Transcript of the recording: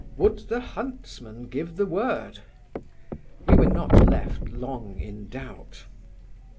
Would the huntsman give the word? We were not left long in doubt.